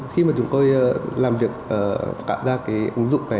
khi mà chúng tôi làm việc tạo ra cái ứng dụng này